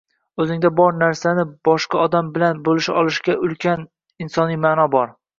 O‘zingda bor narsani boshqa odam bilan bo‘lisha olishda ulkan insoniy maʼno bor.